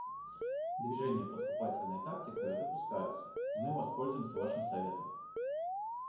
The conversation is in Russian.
Движения подкупательные тактикою допускаются, и мы воспользуемся вашим советом.